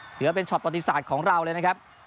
เหลือเป็นช็อตปฏิสัตว์ของเราเลยนะครับ